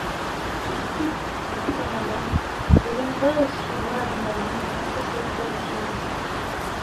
Son fils, Mansa Maghan deviendra aussi roi du Mali grâce à cette tradition.